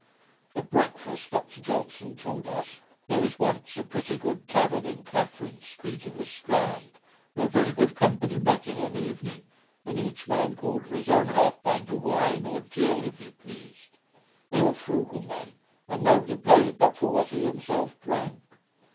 At breakfast, Dr Johnson told us, 'there was once a pretty good tavern in Catharine Street in the Strand, where very good company met in an evening, and each man called for his own half pint of wine, or gill, if he pleased: they were frugal men, and nobody paid but for what he himself drank.